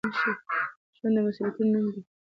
ژوند د مسؤليتونو نوم دی.